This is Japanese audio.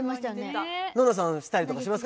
暖乃さんはしたりとかしますか？